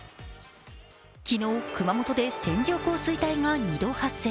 昨日、熊本で線状降水帯が２度発生。